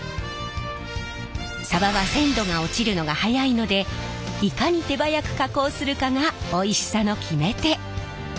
さばは鮮度が落ちるのが早いのでいかに手早く加工するかがおいしさの決め手！